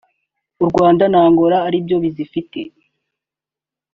u Rwanda na Angola aribyo bizifite